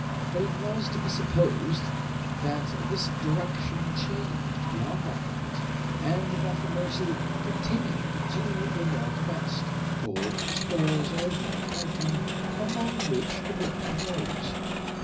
But it was to be supposed that this direction changed beyond that point, and that the Mercy continued to the north west, towards the spurs of Mount Franklin, among which the river rose.